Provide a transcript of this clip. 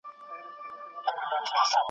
په سرو وينو سره لاسونه `